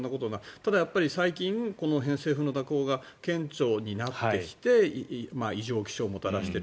ただ、最近、偏西風の蛇行が顕著になってきて異常気象をもたらしている。